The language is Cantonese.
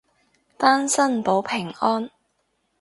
單身保平安